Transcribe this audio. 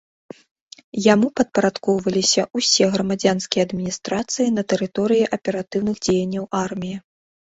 Яму падпарадкоўваліся ўсе грамадзянскія адміністрацыі на тэрыторыі аператыўных дзеянняў арміі.